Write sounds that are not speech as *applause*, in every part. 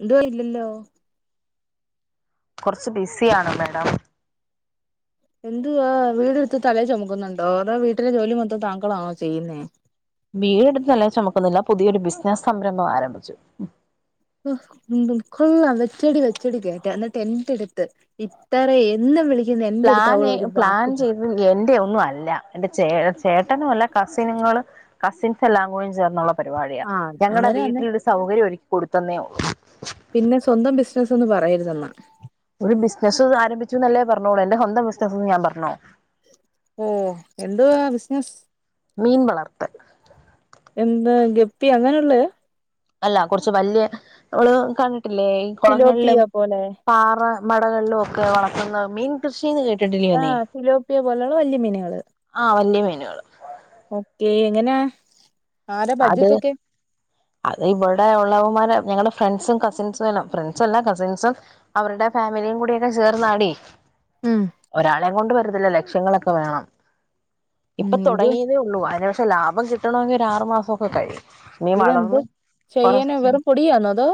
എന്തുവാ ഇല്ലല്ലോ കുറച്ച് ബിസിയാണ് മേഡം എന്തുവാ വീടെടുത്ത് തലേ ചുമക്കുന്നുണ്ടോ അതോ വീട്ടിലെ ജോലി മൊത്തം താങ്കളാണോ ചെയ്യുന്നേ വീട് എടുത്ത് തലേ ചുമക്കുന്നില്ല പുതിയൊരു ബിസിനസ് സംരംഭം ആരംഭിച്ചു കൊള്ളാം വെച്ചടി വെച്ചടി കേറ്റാണ് അന്നിട്ടെന്റെടുത്ത് ഇത്ര എന്നും വിളി പ്ലാനെ പ്ലാൻ ചെയ്ത് എന്റെയൊന്നുമല്ല എന്റെ ചേട ചേട്ടനും അല്ല കസിനുകൾ കസിൻസ് എല്ലാം കൂടി ചേർന്നുള്ള പരിപാടിയാ ആ ഞങ്ങളുടെ അന്നേരം അന്നെ വീട്ടിലൊരു സൗകര്യം ഒരുക്കി കൊടുത്ത് തന്നെയോ പിന്നെ സ്വന്തം ബിസിനസ്സ്ന്ന് പറയരുതെന്നാ ഒരു ബിസിനസ്സ് ആരംഭിച്ചു എന്നല്ലേ പറഞ്ഞോളൂ എന്റെ സ്വന്ത ബിസിനസ്ന്ന് ഞാൻ പറഞ്ഞോ? ഓ എന്ത്വാ ബിസിനസ്? മീൻ വളർത്തൽ എന്താ ഗപ്പി അങ്ങനെയള്ള? അല്ല കുറച്ച് വല്യ നമ്മള് കി ല്ലേ ഈ കുളങ്ങളിലും ഫിലോപ്പിയ പോലെ പാറ മടകളിലും ഒക്കെ വളർത്തുന്ന മീൻ കൃഷീ എന്ന് കേട്ട ആഹ് സിലോ യാ പോലുള്ള വല്യ മിനികള് ആഹ വലിയ മീനുകള് ഓക്കെ എങ്ങനാ? ആരാ അത് ബഡ്ജറ്റ് ഒക്കെ അത് ഇവിടെ ഉള്ളവമാരെ ഞങ്ങളുടെ ഫ്രണ്ട്സും കസിൻസും എല്ലാം ഫ്രണ്ട്സ അല്ല കസിൻസും അവരുടെ ഫാമിലിയും കൂടിയൊക്കെ ചേർന്നാടി. ഉം ഒരാളെയ കൊണ്ട് വരു അല്ല ലക്ഷങ്ങളൊക്കെ വേണം ഇപ്പൊ ഉം ഇത് തുടങ്ങിയതേ ഉള്ളൂ അതിന പക്ഷ ലാഭം കിട്ടണമെിൽ ഒരു ആറ് മാസം സക്കക്കായി. നീ ഇതെന്ത് വളർന്ന് ചെയ്യാന കൊറച്ച വെറും പൊടിയാന്നോ അതോ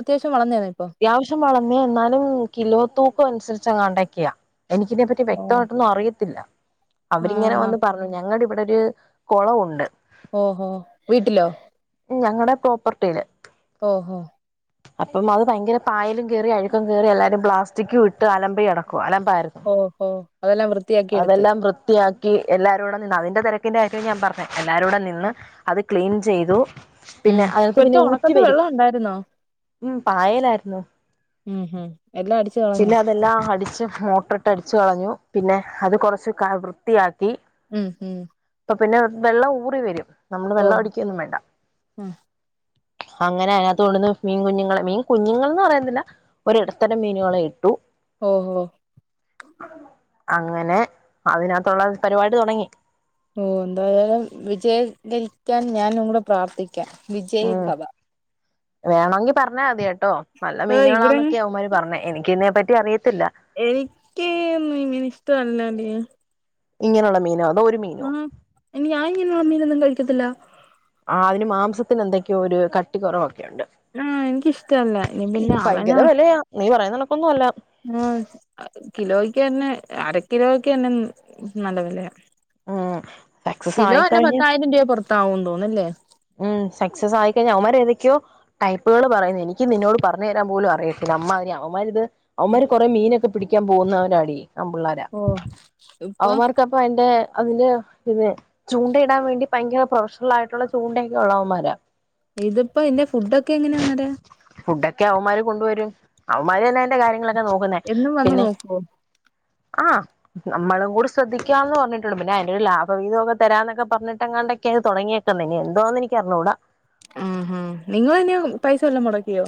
അത്യാവശ്യം വളർന്നേന്നോ ഇപ്പൊ അത്യാവശ്യം വളർന്ന എന്നാലും കിലോ തൂക്ക അനുസരിച്ച് കോണ്ടാക്ട് ചെയ്യാം. എനിക്കിനതിനെപ്പറ്റി ഓ വ്യക്തമായിട്ടൊന്നും അറിയത്തില്ല അവരിങ്ങനെ ആന്നാ വന്ന് പറഞ്ഞു ഞങ്ങളുടെ ഇവിടൊരു കുളവുണ്ട്. ഓഹോ വീട്ടിലോ? ഞങ്ങളുടെ പ്രോപ്പർട്ടിയില്. ഓഹോ അപ്പം അത് ഭയങ്കര പായലും കയറി അഴും കറില്ലാരും പ്ലാസ്റ്റിക് ഇട്ട് അലമ്പി അടക്കും അലമ്പി ഓഹോ അതെല്ലാം വൃത്തിയാക്കി എടുത്ത്. എല്ലാരൂടടെ നിന്ന് അതിന്റെ തിരക്കിന്റെ കാര്യവും ഞാൻ പറഞ്ഞ എല്ലാരുടെ നിന്ന് അത് ക്ലീൻ ചെയ്തു ഉം പിന്നെ അതിനകത്ത് ഇപത്തെ പിന്നെ ഊറ്റി ഉണക്കത്ത് വരും വെള്ളം ഉണ്ടായിരുന്നോ ഉം പായലായിരുന്നു. ഉം ഹം എല്ലാം അടിച്ചു കളഞ്ഞു. പിന്നെ അതെല്ലാം അടിച്ച് മോട്ടറിട്ട് അടിച്ചു കളഞ്ഞു. പിന്നെ അത് കുറച്ച് വൃത്തിയാക്കി. ഉം ഹം അപ്പൊ പിന്നെ വെള്ളം ഊറി വരും നമ്മള് വെള്ള അടിക്കൊന്നും വേണ്ട ഉം അങ്ങനെ അതിനകത്ത് കൊണ്ടന്ന് മീൻ കുഞ്ഞുങ്ങള്െ മീൻ കുഞ്ഞുങ്ങൾന്ന് പറയുന്നില്ല ഒരിടത്തര മീനുകളെ ഇട്ടു ഓഹോ അങ്ങനെ അതിനകത്തുള്ള പരിപാടി തുടങ്ങി ഓ എന്തായാലും വിജയ ാ ഞാനും കൂടെ പ്രാർത്ഥിക്കും വിജയ് ഭവ വേണമെങ്കി പറഞ്ഞാ മതി കേട്ട് കേട്ടോ നല്ല ഏ ഇവിടെ മീനുകളാന്നൊക്കെ അവമാര് പറഞ്ഞ എനിക്ക് ഇ തിനെ പറ്റി അറിയത്തില്ല എനക്ക് ഇങ്ങെ ഇഷ്ട അല്ലഡി ഇങ്ങനെയുള്ള മീനാോ ആഹ ഇനി ഞൻ ഇങ്ങനെയുള്ള മീനൊന്നും കഴിക്കത്തില്ല ആ അതിന് മാംസത്തിന് എന്തൊക്കെയോ ഒരു കട്ടി കുറവാ ആഹ എനിക്കിഷ്ടല്ല ഇനി പിന്നെ അവന ഭയങ്കര വിലയാ നീ പറയുന്ന കണക്കൊന്നും അല്ല ആ കിലോയ്ക്ക്തന്നെ അരക്കിലോക്ക തന്നെ നല്ല വിലയാണ് ആ കിലോ അല്ല പത്തായിരം രൂപ പുറത്ത ആ ഒണ്ടുന്നില്ലേ ഉം സക്സസ് ആയിക്കഴിഞ്ഞ അവന്മാര് ഏതൊക്കെയോ ടൈപ്പുകൾ പറയുന്നു എനിക്ക് നിന്നോട് പറഞ്ഞു തരാൻ പോലും അറിയത്തില്ല അമ്മാതിരി അവമ്മാരിത് അവമാര് കൊറെേ മീനൊക്കെ പിടിക്കാൻ പോകുന്നവരാടി ന പിള്ളോര ഓ ഇപ്പൊ അവന്മാർക്കപ്പ അതിന്റെ അതിന് പിന്നെ ചൂണ്ടയിടാൻ വേണ്ടി ഭയങ്കര പ്രൊഫഷണൽ ആയിട്ടുള്ള ചൂണ്ടക്കെ ഉള്ളാവൻ മാരാ ഇതിപ്പോ ഇന്റെ ഫുഡ ഒക്കെ എങ്ങനെയാ അന്നര ഒ അവന്മാര് കൊണ്ടുവരും അവമാര് തന്നെ അതിന്റെ കാര്യങ്ങളൊക്കെ നോക്കുന്നേ എന്നും വന്ന് പിന്നെ നോക്കുവോ ആഹ്മ്നമ്മളും കൂടി ശ്രദ്ധിക്കാം എന്ന് പറഞ്ഞിട്ടുണ്ട് പിന്നെ അതിന്റെറെ ഒരു ലാഭവീതമൊക്കെ തരാന്നൊക്കെ പറഞ്ഞിട്ട്ങ്ങാണ്ടൊക്കെ അത് തുടങ്ങിയേക്കന്നെ. എന്തോന്ന് എനിക്ക് അറിഞ്ഞുടാ ആ ഹ നിങ്ങ തന്നെയോ പൈസ വല്ലാം മുടക്കിയോ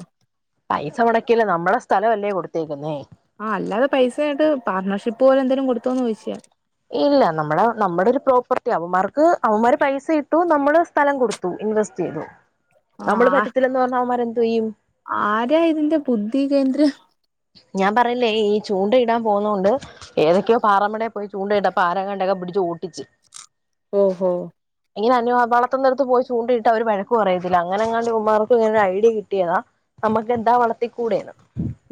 പൈസ മുടക്കില്ല നമ്മ നമ്മള സ്ഥലംല്ലേ കൊടുത്തേക്കുന്നേ പാട്ണർഷിപ്പ് പോലെന്തങ്കുംടുത്തോന്ന് ചോയിച്ച ഇല്ല നമ്മുടെ നമ്മുടെ ഒരു പ്രോപ്പർട്ടി അവ മാർ അവന്മാരെ പൈസ ഇ നമ്മള് സ്ഥലം കൊടുത്തു ഇൻവെസ്റ്റ് ചെയ്തു ആ നമ്മള് പറ്റത്തില്ലെന്ന് പറഞ്ഞാ അവന്മാരെന്തു ചെയ്യും ആ ആരാ ഇതിന്റെ ബുദ്ധി കേന്ദ്രം ഞാൻ പറയിലേ ഈ ചൂണ്ടയിടാൻ പോന്ന കൊണ്ട് ഏതൊക്കയോ പാറമടയ പോയി ചൂണ്ടട്ടപ്പോ ആരങ്ങണ്ടൊ പിടിച്ച് ട്ടിച്ചി ഓഹ ഇങ്ങനെ അ വളർത്ത നിരത്ത് പോയി ചൂണ്ട ഇട്ട് അവര് വഴക്ക് പറയത്തില്ല അങ്ങനെ അങ്ങാണ്ട് ഇവൻമ്മമാർക്ക് ഇങ്ങനെ ഐഡിയ കിട്ടിയതാ നമ്മുക്ക് എന്താ വളർത്തിക്കൂടെന്ന്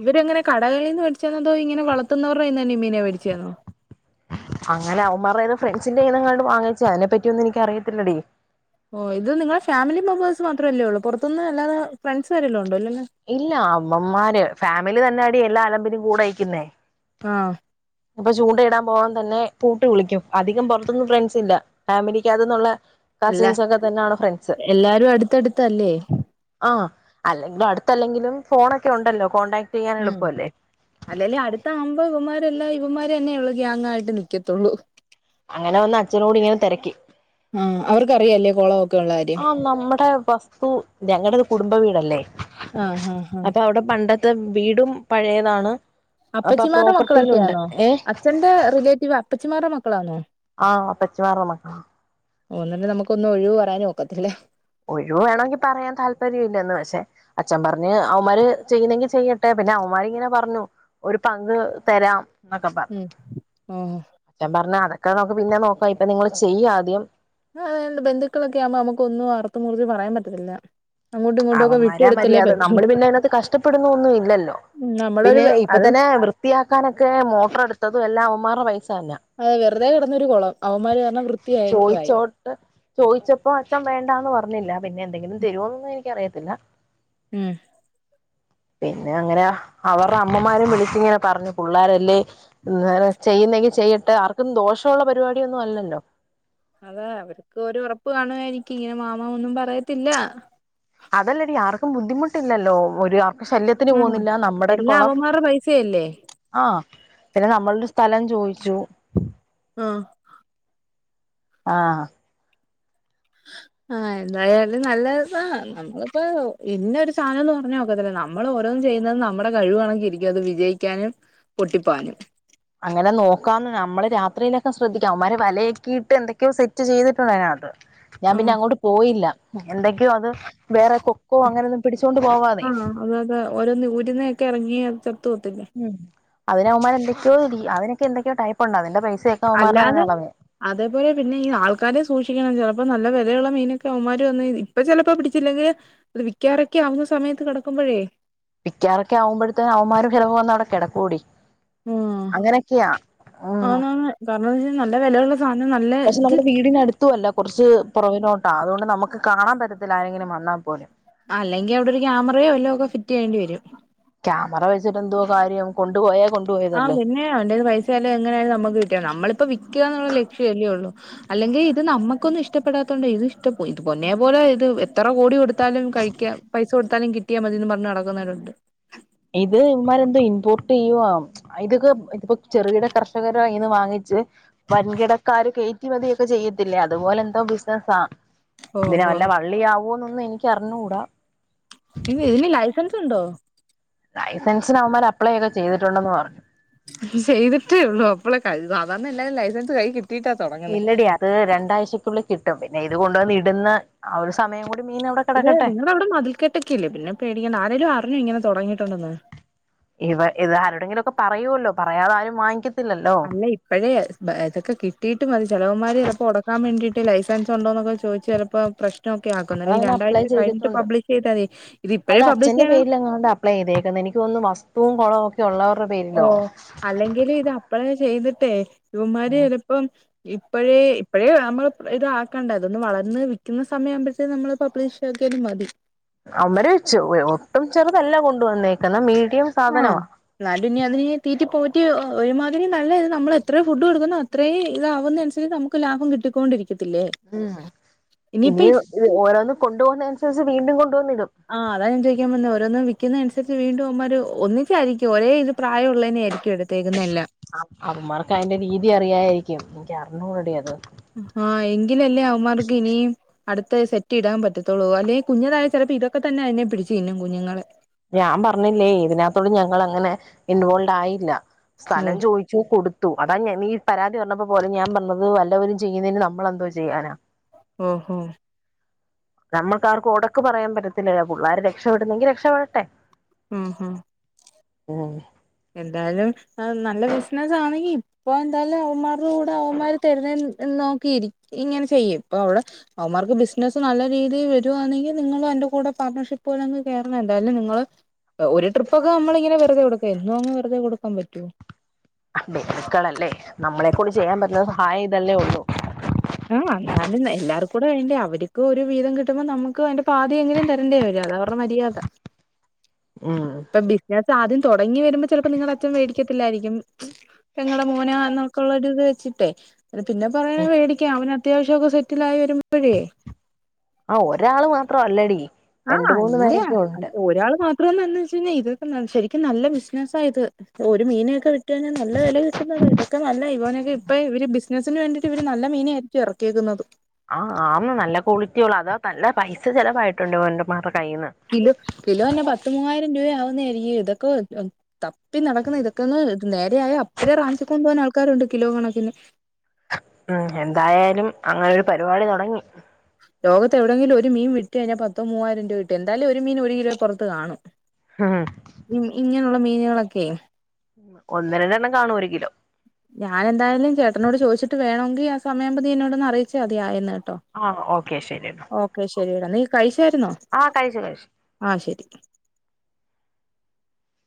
ഇവരെങ്ങനെ കടകളിൽ നിന്ന് മേടിച്ച തന്നോതോ ഇങ്ങനെ വളർത്തുന്നവരുടെ തന്നെ മീനെ മേടിച്ചന്നോ അങ്ങനെ അവന്മാർേത് ഫ്രണ്ട്സിന്റെ നങ്ങാണ്ട് വാങ്ങിച്ചേ അതിനെ പറ്റിയൊന്നും എനക്ക് അറിയത്തില്ലടി ഓ ഇത് നിങ്ങള ഫാമിലി മെമ്പേഴ്സ് മാത്രമല്ലേ ഉള്ളൂ പുറത്തുന്ന്ല്ലാെ ഫ്രണ്ട്സ് വരെല്ലാം ഉണ്ടോ അ ഇല്ല അമ്മമാര് ഫാമിലി തന്നെ അടി എല്ലാ ആലമ്പി കൂടയിക്കുന്നെ ആ ഇപ്പൊ ചൂണ്ടയിടാൻ പോവാൻ തന്നെ പൂട്ട് കുളിക്കും അധികം പുറത്തൊന്നും ഫ്രണ്ട്സ് ഇല്ല ഫാമിലിക്ക് അതന്നുള്ള എല്ലാ കസിൻസ് ഒക്കെ തന്നെയണ ഫ്രണ്ട്സ് എല്ലാരും അടുത്തടുത്തല്ലേ ആ അല്ലെങ്കിലും അടു എങ്കിലും ഫോണൊക്കെ ഉണ്ടല്ലോ കോടാക്ട് ചെയ്യാൻ ഉം എളുപ്പല്ലേ മാരെല്ലാം ഇവന്മാര്ന്നെയ ഉള്ള ഗ്യാങ്ങായിട്ട് നൽിക്കത്തുള്ളൂ അങ്ങനെ വന്ന് അച്ഛനോട് ഇങ്ങനെ തിരക്കി ആ അവർക്കറിയല്ലേ കുളമൊക്കെ ഉള്ള കാര്യം ഇ ഞങ്ങളുടെത് കുടുംബ വീടല്ലേ ആഹ് ഹഹ് ഹഹ് ഇത്തെ വീടും പഴയതാണ് അപ്പൊ അപ്പച്ചിമാരുടെ പ്രോപ്പർട്ടിയിലുണ്ട് മക്കളൊക്കെയാണോ ഏഹ് അച്ഛന്റെ റിലേറ്റീവ് അപ്പച്ചിമാരുടെ മക്കൾ മക്കളണോ ആഹ പച്ചിമാറ മക്ക *unintelligible* നോക്കത്തില്ലേ ഒഴിവ വേണമെങ്കി പറയാൻ താല്പര്യം ഇല്ലന്ന് പക്ഷെ അച്ഛൻ പറഞ്ഞ് അവന്മാര് ചെയ്യുന്നെങ്കി ചെയ്യട്ടെ പിന്നെ അവന്മാരിങ്ങനെ പറഞ്ഞു ഒരു പങ്ക് തരാം എന്നൊക്കെ പറഞ്ഞു ഉം ഓഹ് അച്ചൻ പറഞ്ഞ അത കാരണം നക്കക്ക് പിന്നെ നോക്കാം ഇപ്പൊ നിങ്ങള്ൾ ചെയ്യ ആദ്യം ആ ബന്ധുക്കളൊക്കെ ആുമ്പ നമു ഒന്നും അറ ഒും കുറിച്ച് പറയാൻ പറ്റത്തില്ല അങ്ങോട്ടും ഇങ്ങോട്ടും ഒക്കെ അവന്മാരാ വിട്ടുകൊടുത്തല്ലേ മര്യാദ പറ്റൂ നമ്മള് പിന്നെ അതിനകത്ത് കഷ്ടപ്പെടുന്ന ഒന്നും ഇല്ലല്ലോ ഉം നമ്മളൊരു പിന്നെ ഇപ്പ അതും തന്നെ വൃത്തിയാക്കാനൊക്കെ മോട്ടർ എടുത്തതും എല്ലാം അവന്മാർ പായി *unintelligible* അതെ വെറുതെ കിടന്നൊരു കുളം അവമാര് കാരണം വൃത്തി ആയെങ്കിലും ആയി ചോയിച്ചോട്ട് ില്ല പിന്നെ എന്തെങ്കിലും തരുമോ എക്ക് അറിയത്തില്ല ഉം പിന്നെ അങ്ങനെ അവരുടെ അമ്മമാരും വിളിച്ച ഇങ്ങനെ പറഞ്ഞു പിള്ളോരല്ലേ എന്ത ചെയ്യുന്നെങ്കി ചെയ്യട്ടെ ആർക്കും ദോഷമുള്ള പരിപാടിയൊന്നും അല്ലല്ലോ അതാ അവർക്ക് ഒരു ഉറപ്പ് കാണു എനിക്ക് ഇങ്ങനെ മാമാ ഒന്നും പറയത്തില്ല അതല്ലരു ആർക്കും ബുദ്ധിമുട്ടില്ലല്ലോ ഒരു ശല്യത്തിന് ഉം പോകുന്നില്ല നമ്മുടെ ഒരു എല്ലാം കുളം അവന്മാരുടെ പൈസയല്ലേ ആഹ പിന്നെ നമ്മളൊരു സ്ഥലം ചോയിിച്ചു ജൂ ആ ആ ആ എന്തായാലും നല്ലതാ നമ്മളിപ്പോ ഇന്ന ഒരു സാനോന്ന് പറഞ്ഞ ഒക്കത്തില്ല നമ്മള് ഓരോന്ന് ചെയ്യുന്നത് നമ്മുടെ കഴുവോണക്കിരിക്കും അത് വിജയിക്കാനും പൊട്ടിപ്പാനും അങ്ങനെ നോക്കാന്ന് നമ്മള് രാത്രിയില് ശ്രദ്ധിക്കാം അവംമാര് വലയെക്കെ ഇട്ട് എന്തൊക്കെയോ സെറ്റ് ചെയ്തിട്ടുളളയാണ് ഞാൻ പിന്നെ ആഹ് അങ്ങോട്ട് പോയില്ല എന്തൊക്കയോ അത് വേറെ കൊക്കോ അങ്ങനെന്നും ആന്നോ അതെ അതെ ഓരോന്ന് ഊരുന്നയക്കെ ഇറങ്ങിയാ ഉം അതിന് അവന്മാര് എന്തൊക്കെയോ തീ അതിന് അതൊക്കെ എന്തൊക്കെയോ ടൈപ്പ് ഉണ്ട് അതിന്റെ പൈസ് അല്ലാതെ അതെപോലെ പിന്നെ ഈ ആൾക്കാരെ സൂക്ഷിക്കണം ചില അപ്പൊ നല്ല വിലയുള്ള മീനൊക്കെ അവന്മാര് വന്ന് ഇപ്പ ചിലപ്പ പിടിച്ചില്ലെങ്കില് അത് വിക്കാറൊക്കെ ആവുന്ന സമയത്ത് കിടക്കുമ്പോഴേ വിക്കാറൊക്കെ ആവുമ്പഴ്ത്തേന് അവന്മാര് ചിലപ്പ വന്ന് അവിടെ കിടക്കുവെടി ഉം ഉം ആന്ന് ആന്ന് കാരണോന്ന് വെച്ച് നല്ല വിലയൊളള പക്ഷെ നമ്മുടെ വീടിനടുത്തും അല്ല കുറച്ച് പുറവിലോട്ടാ ആ അതുകൊണ്ട് നമുക്ക് കാണാൻ പറ്റത്തില്ല ആരെങ്കിലും വന്നാൽ പോലും അല്ലെങ്കി അവിടെ ഒരു ക്യാമറയോ വല്ലോ ഒക്കെ ഫിറ്റ് ചെയ്യേണ്ടി വരും ക്യാമറ വെച്ചിട്ട് എന്തുവാ കാര്യം കൊണ്ടു പോയാ ആ പിന്നെ അവന്റേന്ന് പൈസയാലും എങ്ങനാലും നമുക്ക് കിട്ടിയ നമ്മളിപ്പോ വിക്കുക എന്നുള്ള ലക്ഷ്യ അല്ലേ ഉള്ളൂ അല്ലെങ്കി ഇത് നമുക്കൊന്നും ഇഷ്ട ഇഷ്ടപ്പെടാത്തോണ്ടാ ഇത് ഇഷ്ട പൊന്നെ പോലെ ഇത് എത്ര കോടി കൊടുത്താലും കഴിക്കാ പൈസ കൊടുത്താലും കിട്ടിയാ മതീന്നും പറഞ്ഞ് നടക്കുന്നവരുണ്ട് ടീയും ആവും ഇതൊക്കെ ഇപ്പൊ ചെറുകിട കർഷകരുടെ കൈയ്യിന്ന് വാങ്ങ് അത് വെച്ച് വൻകിടക്കാര് കയറ്റ് മതി ത്ത ചെയ്യത്തില്ലേ അതുപോലെന്തോ ബിസ്സിനസാ ഇതിന് ഓഹോ വല്ല വള്ളിയാവുവോന്നൊന്നും എനിക്ക് എനിക്കറിഞ്ഞൂടാ പിന്നെ ഇതിന് ലൈസൻസ് ഇണ്ടോ ലൈസൻസിന് അവന്മാര് അപ്ലൈ ഒക്കെ ചെയ്തിട്ടുണ്ടെന്ന് പറഞ്ഞു ചെയ്തിട്ടേ ഉള്ളൂ അപ്പോളെ കഴു അതാന്ന എല്ലാവരും ലൈസൻസ് കയ്യിൽ കിട്ടി ഇല്ലടി അത് രണ്ടാഴ്ചക്കുള്ളിൽ കിട്ടും പിന്നെ അതുകൊണ്ടൊന്ന് ഇടുന്ന ആ ഒരു സമയം കൂടി മീൻ അവിടെ ഇത് കിടക്കട്ടെ നിങ്ങവിടെ മതിൽക്കെട്ടൊക്കെല്ലേ പിന്നെ പേടിക്കണ്ട ആരേലും പറഞ്ഞ ഇങ്ങനെ തുടങ്ങിയിട്ടുണ്ടന്ന് ഇവ ഇത് ആരോടെങ്കിലുമൊക്കെ പറയുമല്ലോ പറയാതെ ആരും വാങ്ങിക്കി അല്ല ഇപ്പോഴേ ഇതൊക്കെ കിട്ടിയിട്ട് മതി ചെലവുമാര് ചിലപ്പോൾ ഉടക്കാൻ വേണ്ടിട്ട് ലൈസൻസ് ഉണ്ടോന്നൊക്കെ ചോദിച്ച ചിലപ്പോ പ്രശ്ന അത്ങ്ങനെ അപ്ലൈ ചെയ്തിട്ടുണ്ട് ചെയ്താൽ മതി ഇത് അത് ഇപ്പഴേ പബ്ലിഷ് അച്ഛന്റെ ചെയ്യണം പേരില അങ്ങണ്ട അപ്ലൈ ചെയ്തേക്കുന്നത് എനിക്ക് തന്നുന്നു വസ്തുവും കുളവും ഒക്കെ ഉള്ളവർ ഓ അല്ലെങ്കിൽ ഇത് അപ്പഴേ ചെയ്തിട്ട് ട്ട ഇവമാര് ചിലപ്പം ഇപ്പഴേ ഇപ്പഴേ നമ്മള ഇത് ആക്കണ്ടേതൊന്ന് വളർന്ന് വിൽക്കുന്ന സമയം ആവുന്നപഴത്തേ നമ്മള് പബ്ലിഷ് ആക്കിയാലും മതി അമര വെച്ചു ഒട്ടും ചെറ എല്ലാം കൊണ്ട വന്നേക്കുന്നെ ആഹ് എന്നാലും അതിനെ തീറ്റി പോറ്റ മാറ്റി ഒരുമാതിരി നല്ല ഇത് നമ്മൾ എത്ര ഫുഡ് കൊടുക്കുന്ന അത്രയും ഇതാവുന്നതിനനസരിച്ച് നമുക്ക് ലാഭം കിട്ടിക്കൊണ്ടിരിക്കും ഉം ഇനിയും ഓരോന്ന് കൊണ്ടു പോവുന്ന *unintelligible* വീണ്ടും കൊണ്ടുവന്നിടും ആഹ്താൻ ചോദിക്കൻേ ഓരോ ക്കുന്നനുസരിച്ച് വീണ്ടും അമ്മമാര് ഒന്നിച്ചായിരിക്കും ഒരേ ഇത് പ്രായമുള്ളള്ളതിനെ ആയിരിക്കും എടുത്തേ അവൻമാർക്ക് അതിന്റെ രീതി അറിയായിരിക്കും എനിക്ക് അറിഞ്ഞൂടടി അത് ആഹ് എങ്കിലല്ലേ അവന്മാർക്ക് ഇനിയും അടുത്ത സെറ്റ് ഇടാൻ പത്തുള്ളൂ അല്ലെങ്ക കുഞ്ഞതായ ചിലപ്പോൾ ഇതൊക്കെ തന്നെ അതിനെ പിടിച്ചു ഇന്നും കുഞ്ഞുങ്ങളെ ഞാൻ പറഞ്ഞില്ലേ ഇതിനകത്തോളും ഞങ്ങൾ അങ്ങനെ ഇൻവോൾഡ് ആയില്ല സ്ഥലം ഓഹ് ചോയിച്ചു കൊടുത്തു അതാ ഞാൻ പരാതി പറഞ്ഞപ്പോ പോലെ ഞാൻ പറഞ്ഞത് വല്ലവരും ചെയ്യുന്നതിന് നമ്മളെന്തോ ചെയ്യാനാ ഓ ഹോ നമ്മുക്കാർക്കും ഉടക്ക് പറയാൻ പറ്റത്തില്ലല്ല പിള്ളോര് രക്ഷപ്പെടുന്നെങ്കി രക്ഷപ്പെടട്ടെ ഉം ഉം ഓ എന്തായാലും നല്ല ബിസിനസ് ആണെങ്കിൽ ഇപ്പൊ എന്തായാലും അവന്മാരുടെ കൂടെ അവന്മാര് തരുന്ന നോക്കിയിരിക്ക ഇങ്ങനെ ചെയ്യും ഇപ്പൊ അവിടെ അവന്മാർക്ക് ബിസിനസ് നല്ല രീതിയിൽ വരുുകവാണെങ്കിൽ നിങ്ങും എന്റെ കൂടെ പാർട്ണർഷിപ്പ് പോലെ അങ്ങ് കേയറണം എന്തായാലും നിങ്ങള് ഒരു ട്രിപ്പൊക്ക നമ്മള ഇങ്ങെനെ വെറു വിടു ഇോങ് വെറുതെ കൊടുക്കാൻ പറ്റുവോ ബധുക്കളല്ലേ നമ്മളെക്കൂടി ചെയ്യാൻ പറ്റുന്ന സഹായം ഇതല്ലേ ഉള്ളൂ ആഹ എന്നാലും എല്ലാവർും കൂടെ വണ്ടേ അവർക്ക് ഒരു വീതം കിട്ടുമ്പോ നമുക്ക് അതിന്റെ പാതി എങ്കിലും തരേണ്ടേ വര അത അവരുടെ മര്യാദ ആഹ ഇപ്പൊ ബിസിനസ് ആദ്യം തുടങ്ങി വരുമ്പോ ചിലപ്പോ നിങ്ങളുടെ അച്ഛൻ മേടിക്കത്തില്ലായിരിക്കും പെങ്ങളടെ മോനെ എന്നൊക്കെള്ളരി ഇത് വെച്ചിട്ടേ അ പിന്നെ പറയണ മേടിക്കാം അവന് അത്യാവശ്യം ഒക്കെ സെറ്റില ആായി വരുമ്പോഴേ ആ ഒരാള് മാത്രം അല്ലടി ആഹ രണ്ട് മൂന്ന് അല്ല പേരൊക്കെ ഉണ്ട് ഒരാള് മാത്രംന്ന ന്ന് വെച്ച് കഴിഞ്ഞാൽ ഇതൊക്കെ ശരിക്കും നല്ല ബിസിനസ്സ ആത് ഒരു മീനൊക്കെ വിട്ടുഴിാൽ നല്ല വില കിട്ടുന്നത്ൊക്കെ നല്ല ഇവനൊക്കെ ഇപ്പൊ ഇവര് ബിസിനസ്സിന് വേണ്ടിട്ട ഇവര് നല്ല മീനായിയിച്ച ഇറക്കിയേക്കുന്നത് ആഹ് ആ നല്ല ക്വാളിറ്റി ഉള്ളൂ അതാ നല്ല പൈസ ചെിലവായിട്ടുണ്ട് കിലോ കിലോ തന്നെ പത്ത് മൂവായിരം രൂപയാവും ഇതൊക്കെ തപ്പി നടക്കുന്ന ഇതൊക്കെ ഒന്ന് നേരെയായ അപ്പഴേ റാണിച്ചിക്ക കൊണ്ടണ്ട് പോവാൻ ആൾക്കാരുണ്ട് കിലോ കണക്കിന് ഉം എന്തായാലും അങ്ങനെ ഒരു പരിപാടി തുടങ്ങി ലോകത്ത് എവിടെയെങ്കിലും ഒരു മീൻ വിട്ടു കഴിഞ്ഞാൽ പത്തോ മൂവായിരം രൂപ കട്ട എന്തായാലും ഒരു മീൻ ഒരു കിലോ പുറത്ത് കാണും ഉം ഇ ഇങ്ങ മീനുകളൊക്കെ ഉ ഒന്ന രണ്ട എണ്ണം കാണും ഒരു കിലോ ഞാൻ എന്തായാലും ചേട്ടനോട് ചോദിച്ചിട്ട് വേണമെങ്കിൽ ആ സമയ്പ നീ എന്നോട ഒന്ന് അറിയിച്ച മതിയേ കേട്ടോ ആ ഓക്കെ ശരിയെന്നാ ഓക്കെ ശരിടാ നീ കഴിച്ചായിുന്നോ ആ കഴിച്ചു കഴിച്ചു ആ ശരി